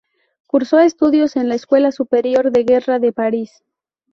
Cursó estudios en la Escuela Superior de Guerra de París.